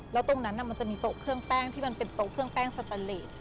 แล้วตรงนั้นมันจะมีโต๊ะเครื่องแป้งที่มันเป็นโต๊ะเครื่องแป้งสตาเลส